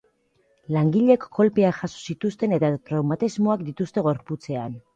Langileek kolpeak jaso zituzten eta traumatismoak dituzte gorputzean.